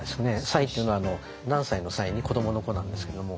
「才」っていうのは何才の「才」に子どもの「子」なんですけども。